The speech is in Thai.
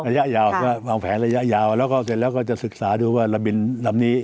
ระยะยาวก็วางแผนระยะยาวแล้วก็เสร็จแล้วก็จะศึกษาดูว่าระบินลำนี้